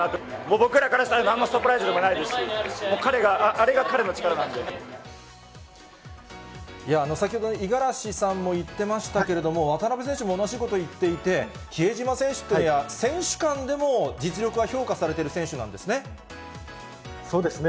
僕らからしたらなんのサプライズでもないですし、あれが彼の力な先ほど、五十嵐さんも言ってましたけれども、渡邊選手も同じこと言っていて、比江島選手って、選手間でも実力そうですね。